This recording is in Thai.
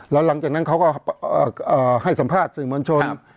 แล้วหลังจากนั้นเขาก็ให้สัมภาษณ์สื่อมวลชน